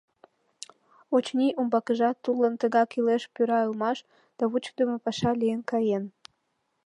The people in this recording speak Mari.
Очыни, умбакыжат тудлан тыгак илеш пӱра улмаш, да вучыдымо паша лийын каен.